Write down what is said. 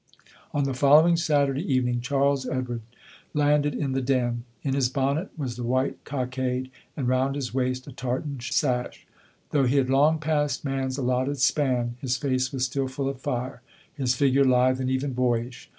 On the following Saturday evening Charles Edward landed in the Den. In his bonnet was the white cockade, and round his waist a tartan sash; though he had long passed man's allotted span his face was still full of fire, his figure lithe and even boyish.